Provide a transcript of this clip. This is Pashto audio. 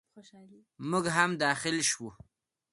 موږ هم داخل شوو.